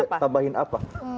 harus ditambahin apa